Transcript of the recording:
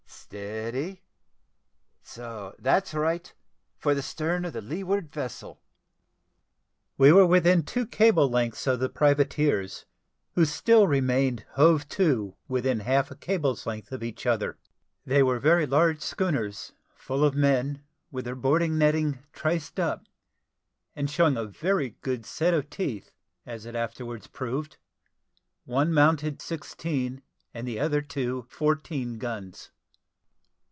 "Steady; so that's right for the stern of the leeward vessel." We were within two cable lengths of the privateers, who still remained hove to within half a cable's length of each other. They were very large schooners, full of men, with their boarding netting triced up, and showing a very good set of teeth; as it afterwards proved, one mounted sixteen, and the other two fourteen, guns.